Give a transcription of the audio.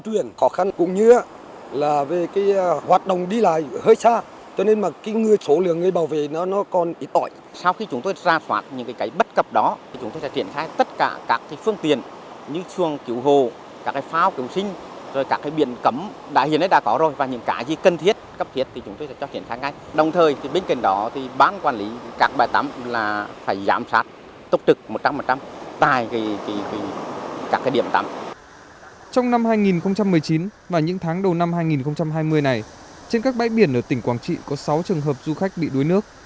trong năm hai nghìn một mươi chín và những tháng đầu năm hai nghìn hai mươi này trên các bãi biển ở tỉnh quảng trị có sáu trường hợp du khách bị đuối nước